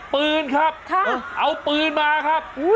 ปืนครับเอาปืนมาครับ